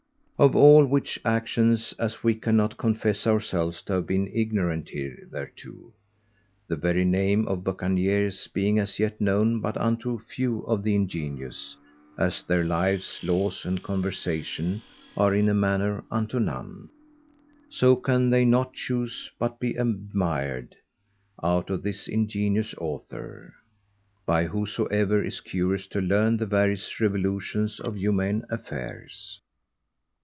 Of all which actions, as we cannot confess ourselves to have been ignorant hitherto (the very name of Bucaniers being, as yet, known but unto few of the Ingenious; _as their Lives, Laws, and Conversation, are in a manner unto none) so can they not choose but be admired, out of this ingenuous Author, by whosoever is curious to learn the various revolutions of humane affairs.